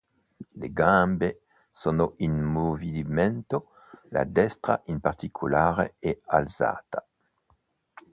Le gambe sono in movimento, la destra in particolare è alzata.